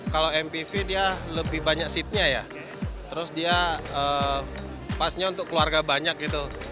kalau mpv dia lebih banyak seatnya ya terus dia pasnya untuk keluarga banyak gitu